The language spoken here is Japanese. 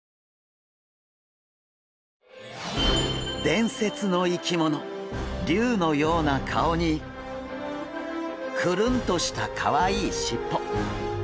伝説の生き物竜のような顔にクルンとしたかわいいしっぽ。